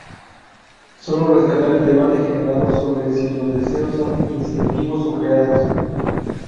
sólo rescatar el debate generado sobre si los deseos son instintivos o creados